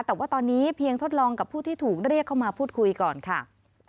แต่ว่าตอนนี้เพียงทดลองกับผู้ที่ถูกเรียกเข้ามาพูดคุยก่อนค่ะ